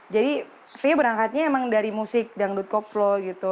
jadi fia berangkatnya emang dari musik dangdut koplo gitu